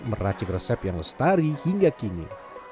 meracik resep yang lestari hingga kini